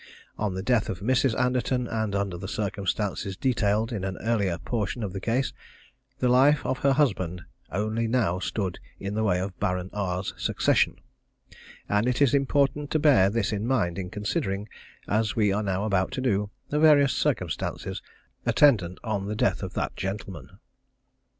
On the death of Mrs. Anderton, under the circumstances detailed in an earlier portion of the case, the life of her husband only now stood in the way of Baron R's succession, and it is important to bear this in mind in considering, as we are now about to do, the various circumstances attendant on the death of that gentleman.